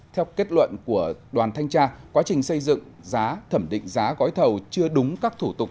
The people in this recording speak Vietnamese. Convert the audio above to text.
theo kết luận của đoàn thanh tra quá trình xây dựng giá thẩm định giá gói thầu chưa đúng các thủ tục